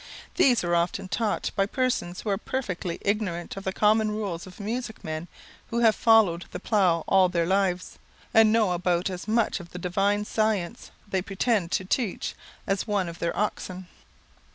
These are often taught by persons who are perfectly ignorant of the common rules of music men who have followed the plough all their lives, and know about as much of the divine science they pretend to teach as one of their oxen.